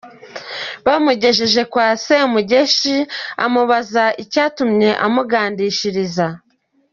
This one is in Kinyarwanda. Bamugejeje kwa Semugeshi amubaza icyatumye amugandishiriza.